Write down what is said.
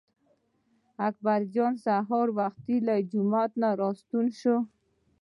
اکبر جان سهار وختي له جومات نه راستون شو.